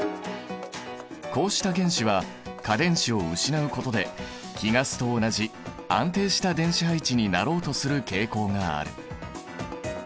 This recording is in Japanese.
こうした原子は価電子を失うことで貴ガスと同じ安定した電子配置になろうとする傾向がある。